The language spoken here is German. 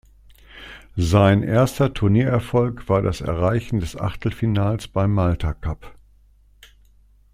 Sein erster Turniererfolg war das Erreichen des Achtelfinals beim Malta Cup.